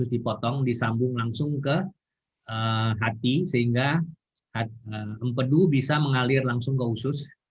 dipotong disambung langsung ke hati sehingga empedu bisa mengalir langsung ke usus